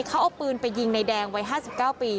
เขาเอาปืนไปยิงในแดงวัย๕๙ปี